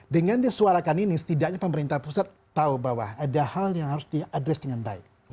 dengan disuarakan ini setidaknya pemerintah pusat tahu bahwa ada hal yang harus diadres dengan baik